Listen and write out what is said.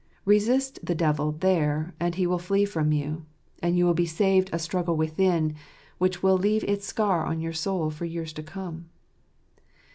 Resist the devil there/ and he will flee from you; and you will be saved a struggle within, which will leave its scar on your soul for years to come.